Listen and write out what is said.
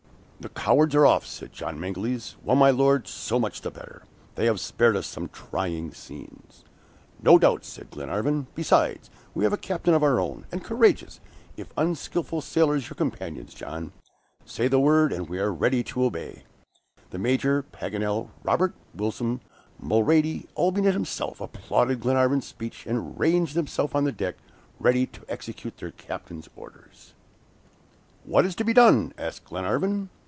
"The cowards are off!" said John Mangles. "Well, my Lord, so much the better. They have spared us some trying scenes." "No doubt," said Glenarvan; "besides we have a captain of our own, and courageous, if unskillful sailors, your companions, John. Say the word, and we are ready to obey." The Major, Paganel, Robert, Wilson, Mulrady, Olbinett himself, applauded Glenarvan's speech, and ranged themselves on the deck, ready to execute their captain's orders. "What is to be done?" asked Glenarvan.